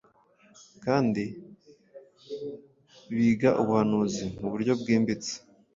kandi biga ubuhanuzi mu buryo bwimbitse.